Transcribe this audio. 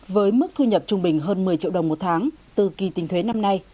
với mức thu nhập trung bình hơn một mươi triệu đồng một tháng từ kỳ tính thuế năm nay